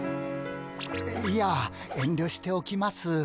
いや遠慮しておきます。